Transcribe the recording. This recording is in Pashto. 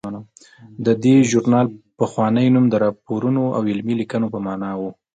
د دې ژورنال پخوانی نوم د راپورونو او علمي لیکنو په مانا و.